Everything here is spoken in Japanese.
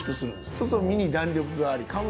そうすると身に弾力がありかむ